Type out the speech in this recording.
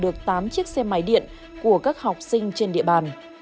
đối tượng đã lừa đảo và chiếm đoạt được tám chiếc xe máy điện của các học sinh trên địa bàn